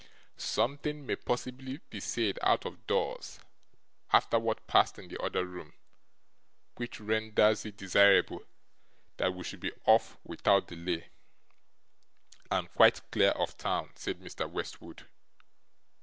'Something may possibly be said, out of doors, after what passed in the other room, which renders it desirable that we should be off without delay, and quite clear of town,' said Mr. Westwood.